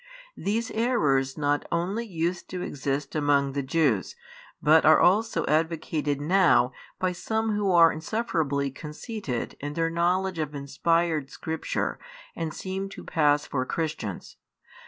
These errors not only used to exist among the Jews, but are also |2 advocated now by some who are insufferably conceited in their knowledge of inspired Scripture and seem to pass for Christians.